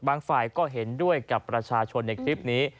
ฝ่ายก็เห็นด้วยกับประชาชนในคลิปนี้